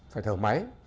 phải thở máy